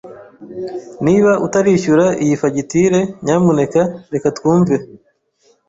Niba utarishyura iyi fagitire, nyamuneka reka twumve.